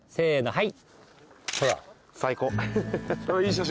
はい。